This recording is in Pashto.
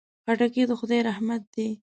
خټکی د خدای رحمت دی.